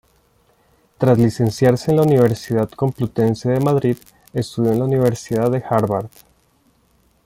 Tras licenciarse en la Universidad Complutense de Madrid, estudió en la Universidad de Harvard.